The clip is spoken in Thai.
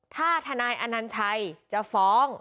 ถ้าทนายอนัญชัยจะฟ้อง